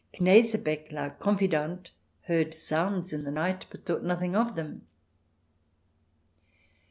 Knesebeck, La Confidante, heard sounds in the night, but thought nothing of them. .